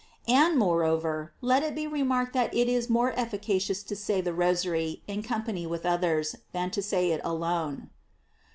And, moreover, let it be remarked that it is more efficacious to say the Rosary in corn pany with others, than to say it alone.